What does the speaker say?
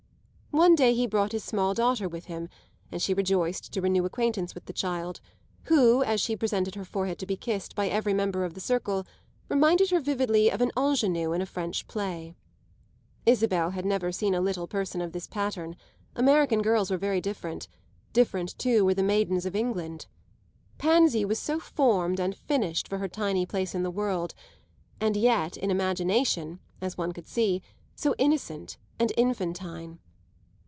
One day he brought his small daughter with him, and she rejoiced to renew acquaintance with the child, who, as she presented her forehead to be kissed by every member of the circle, reminded her vividly of an ingenue in a French play. Isabel had never seen a little person of this pattern; American girls were very different different too were the maidens of England. Pansy was so formed and finished for her tiny place in the world, and yet in imagination, as one could see, so innocent and infantine.